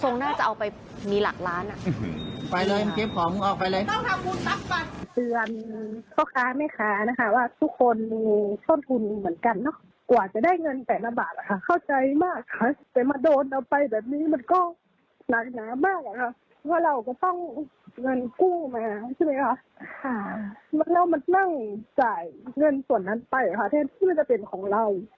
เงินกู้มาใช่ไหมครับเรามานั่งจ่ายเงินส่วนนั้นไปแทนที่มันจะเป็นของเรา